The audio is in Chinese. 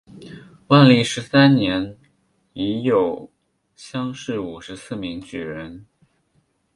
万历十三年乙酉乡试五十四名举人。